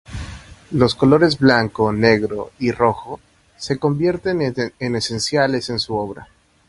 Los colores blanco, negro y rojo se convierten en esenciales en su obra.